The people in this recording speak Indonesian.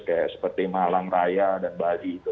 kayak seperti malang raya dan bali itu